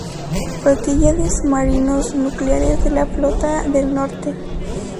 Flotilla de Submarinos Nucleares de la Flota del Norte.